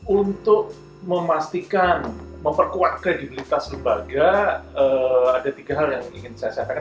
untuk memastikan memperkuat kredibilitas lembaga ada tiga hal yang ingin saya katakan